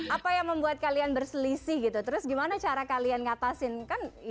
apa yang membuat kalian berselisih gitu terus gimana cara kalian ngatasin kan